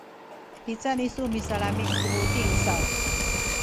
hicaen isu misalami’ ku buting saw?